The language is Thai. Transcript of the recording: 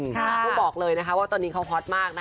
ต้องบอกเลยนะคะว่าตอนนี้เขาฮอตมากนะคะ